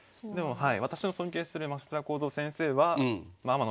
はい。